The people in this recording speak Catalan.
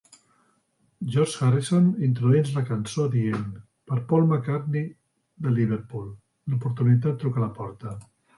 George Harrison introdueix la cançó dient "Per Paul McCartney de Liverpool, l'oportunitat truca a la porta!".